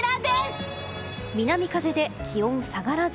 南風で気温下がらず。